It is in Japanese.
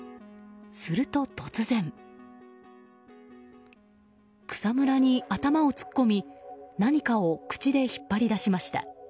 すると、突然草むらに頭を突っ込み何かを口で引っ張り出しました。